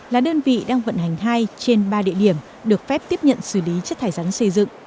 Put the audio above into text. là đơn vị đang vận hành hai trên ba địa điểm được phép tiếp nhận xử lý chất thải rắn xây dựng